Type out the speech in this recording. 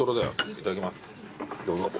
いただきます。